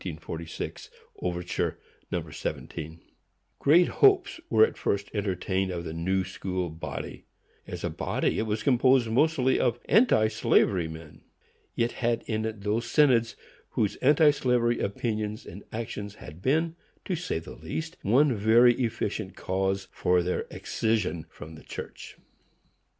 Overture No. 17.) Great hopes were at first entertained of the New School body. As a body, it was composed mostly of anti slavery men. It had in it those synods whose anti slavery opinions and actions had been, to say the least, one very efficient cause for their excision from the church.